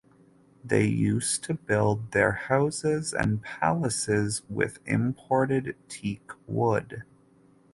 They used to build their houses and palaces with imported teak wood.